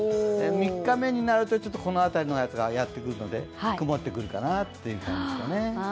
３日目になるとこの辺りのやつがやってくるので曇ってくるかなという感じですかね。